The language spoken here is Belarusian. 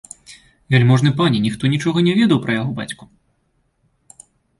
Вяльможны пане, ніхто нічога не ведаў пра яго бацьку.